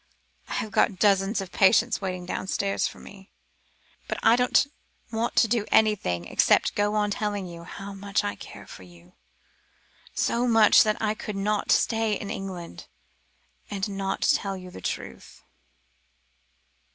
"I have got dozens of patients waiting downstairs for me, but I don't want to do anything except go on telling you how much I care for you, so much that I could not stay in England, and not tell you the truth."